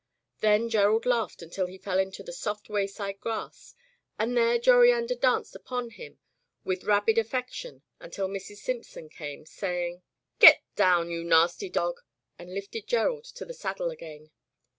Then Gerald laughed until he fell into the soft wayside grass, and there Joriander danced upon him with rabid affection until Mrs. Simpson came, saying, [259 ] Digitized by LjOOQ IC Interventions "Get down, you nasty dog!" and lifted Gerald to the saddle again.